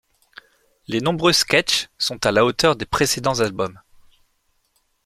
Les nombreux sketches sont à la hauteur des précédents albums.